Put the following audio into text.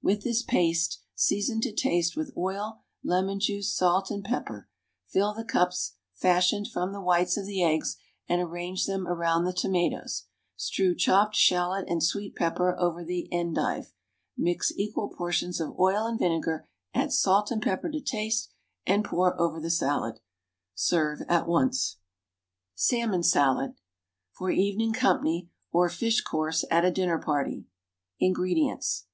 With this paste, seasoned to taste with oil, lemon juice, salt and pepper, fill the cups fashioned from the whites of the eggs, and arrange them around the tomatoes. Strew chopped shallot and sweet pepper over the endive. Mix equal portions of oil and vinegar, add salt and pepper to taste, and pour over the salad. Serve at once. =Salmon Salad.= (For evening company, or fish course at a dinner party.) INGREDIENTS.